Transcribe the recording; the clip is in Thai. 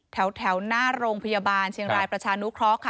แถวหน้าโรงพยาบาลเชียงรายประชานุเคราะห์ค่ะ